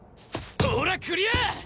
おらクリア！